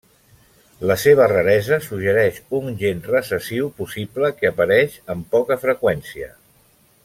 La seva raresa suggereix un gen recessiu possible que apareix amb poca freqüència.